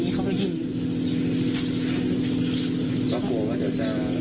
ที่ตกลงกันไหมกันเอง